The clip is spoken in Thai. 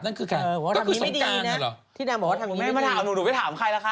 อ๋อว่าดังนี้ไม่ดีนะที่นางบอกว่าทางคุณแม่ไม่ได้เอาหนูหนูไปถามใครแล้วค่ะ